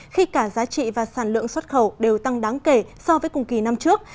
khi cả giá trị và sản lượng xuất khẩu đều tăng đáng kể so với cùng kỳ năm trước